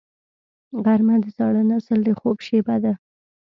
غرمه د زاړه نسل د خوب شیبه ده